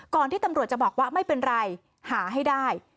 ที่ตำรวจจะบอกว่าไม่เป็นไรหาให้ได้